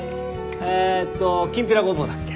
えっときんぴらごぼうだっけ？